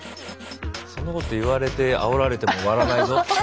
そんなこと言われてあおられても割らないぞ。